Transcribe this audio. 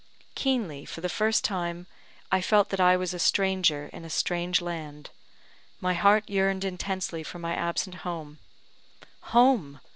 Keenly, for the first time, I felt that I was a stranger in a strange land; my heart yearned intensely for my absent home. Home!